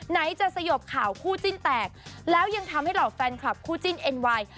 ไหนจะสยบข่าวคู่จิ้นแตกแล้วยังทำให้เหล่าแฟนคลับคู่จิ้นเอ็นไวน์